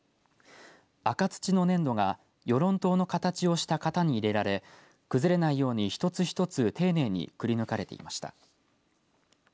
赤土の粘土が与論島の形をした型に入れられ、崩れないように一つ一つ丁寧にくりぬかれていました。